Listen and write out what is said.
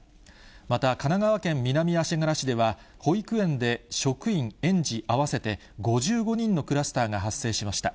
また、神奈川県南足柄市では、保育園で職員、園児合わせて５５人のクラスターが発生しました。